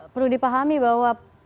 perlu dipahami bahwa